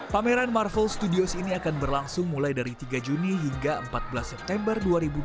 pameran marvel studios ini akan berlangsung mulai dari tiga juni hingga empat belas september dua ribu dua puluh